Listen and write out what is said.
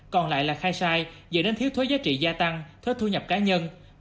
còn lại là khai sai dẫn đến thiếu thuế giá trị gia tăng thuế thu nhập cao